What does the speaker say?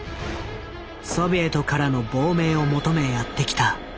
ソビエトからの亡命を求めやって来た。